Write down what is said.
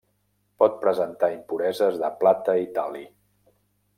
Pot presentar impureses de plata i tal·li.